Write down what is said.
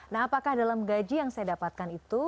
nah apakah dalam gaji yang saya dapatkan itu